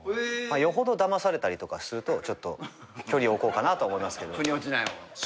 よほどだまされたりとかするとちょっと距離置こうかなとは思いますけど。